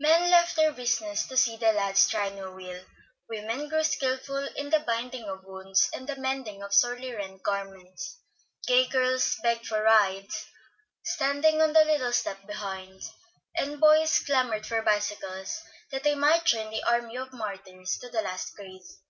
Men left their business to see the lads try new wheels, women grew skilful in the binding of wounds and the mending of sorely rent garments, gay girls begged for rides, standing on the little step behind, and boys clamored for bicycles that they might join the army of martyrs to the last craze.